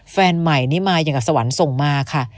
แฟนใหม่นี่มาอย่างกับสวรรค์ส่งมาค่ะ